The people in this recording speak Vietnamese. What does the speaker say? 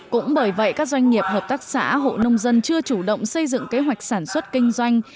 cũng bởi vậy các doanh nghiệp hợp tác xã hộ nông dân chưa chủ động xây dựng kế hoạch sản xuất kinh doanh